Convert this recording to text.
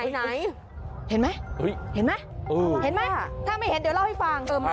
เห็นไหมถ้าไม่เห็นเดี๋ยวเล่าให้ฟัง